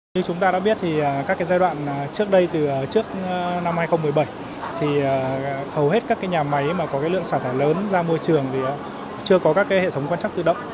như chúng ta đã biết thì các giai đoạn trước đây từ trước năm hai nghìn một mươi bảy thì hầu hết các nhà máy có lượng xả thải lớn ra môi trường thì chưa có các hệ thống quan chắc tự động